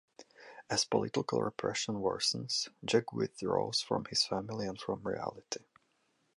As political repression worsens, Jack withdraws from his family and from reality.